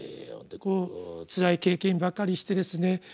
つらい経験ばかりしてですね